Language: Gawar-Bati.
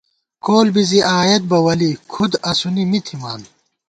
کول بی زی آیېت بہ ولی، کُھد اسُونی می تھِمان